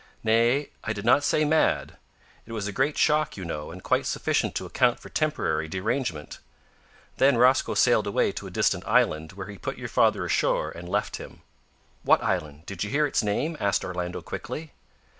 "Nay, I did not say mad. It was a great shock, you know, and quite sufficient to account for temporary derangement. Then Rosco sailed away to a distant island, where he put your father ashore, and left him." "What island did you hear its name?" asked Orlando, quickly.